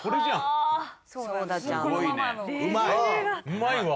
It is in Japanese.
うまいわ。